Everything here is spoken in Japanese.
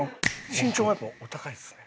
身長もやっぱお高いですね。